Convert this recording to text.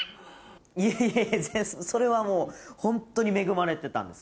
いえいえそれはもうホントに恵まれてたんです。